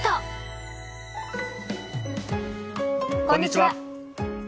こんにちは。